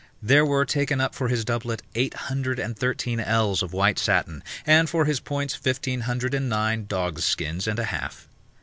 There were taken up for his doublet, eight hundred and thirteen ells of white satin, and for his points fifteen hundred and nine dogs' skins and a half.